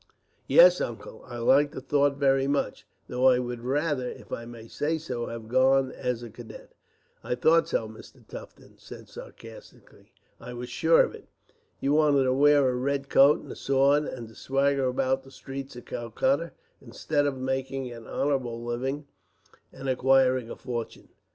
"Yes, Uncle, I like the thought very much, though I would rather, if I may say so, have gone as a cadet." "I thought so," Mr. Tufton said, sarcastically. "I was sure of it. You wanted to wear a red coat and a sword, and to swagger about the streets of Calcutta, instead of making an honorable living and acquiring a fortune."